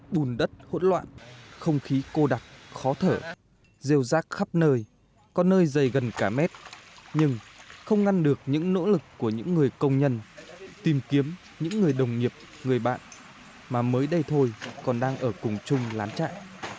bùn đất hỗn loạn không khí cô đặc khó thở rêu rác khắp nơi có nơi dày gần cả mét nhưng không ngăn được những nỗ lực của những người công nhân tìm kiếm những người đồng nghiệp người bạn mà mới đây thôi còn đang ở cùng chung lán chạy